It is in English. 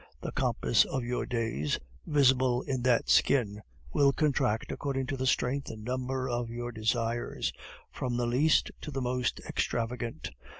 The compass of your days, visible in that skin, will contract according to the strength and number of your desires, from the least to the most extravagant.